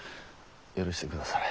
許してくだされ。